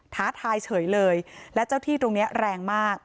ท้าทายเฉยเลยและเจ้าที่ตรงนี้แรงมาก